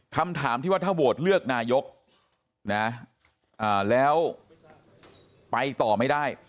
คำถามที่ว่าถ้าโหวตเลือกนายกนะแล้วไปต่อไม่ได้